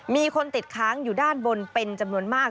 มีคนติดค้างอยู่ด้านบนเป็นจำนวนมาก